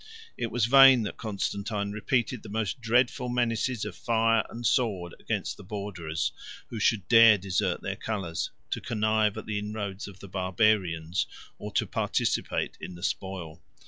It was in vain that Constantine repeated the most dreadful menaces of fire and sword against the Borderers who should dare desert their colors, to connive at the inroads of the Barbarians, or to participate in the spoil.